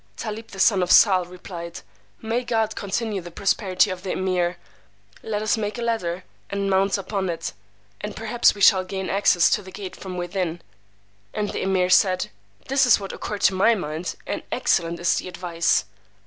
Tálib the son of Sahl replied, May God continue the prosperity of the Emeer! Let us make a ladder, and mount upon it, and perhaps we shall gain access to the gate from within. And the Emeer said, This is what occurred to my mind, and excellent is the advice.